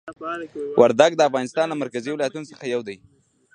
وردګ د افغانستان له مرکزي ولایتونو څخه یو دی.